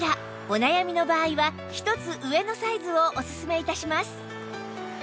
お悩みの場合は１つ上のサイズをオススメ致します